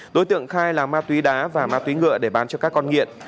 đối tượng khai là ma túy đá và ma túy ngựa để bán cho các con nghiện